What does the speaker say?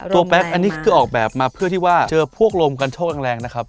แป๊กอันนี้คือออกแบบมาเพื่อที่ว่าเจอพวกลมกันโชคแรงนะครับ